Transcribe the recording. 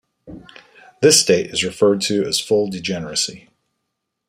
This state is referred to as full degeneracy.